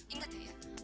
ingat ya ya